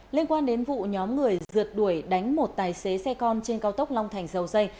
liên quan đến vụ nhóm người rượt đuổi đánh một tài xế xe con trên cao tốc long thành dầu dây